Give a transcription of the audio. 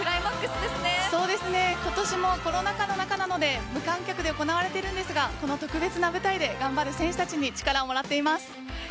今年もコロナ禍の中なので無観客で行われているんですがこの特別な舞台で頑張る選手たちに力をもらっています。